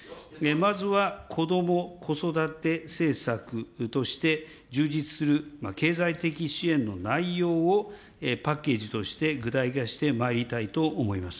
まずはこども・子育て政策として、充実する経済的支援の内容をパッケージとして具体化してまいりたいと思います。